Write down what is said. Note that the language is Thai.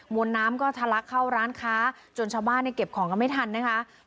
วนน้ำก็ทะลักเข้าร้านค้าจนชาวบ้านเนี่ยเก็บของกันไม่ทันนะคะ